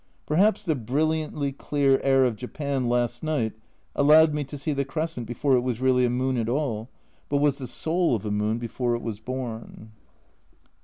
Perhaps the brilliantly clear air of Japan last night allowed me to see the crescent before it was really a moon at all, but was the soul of a moon before it was born.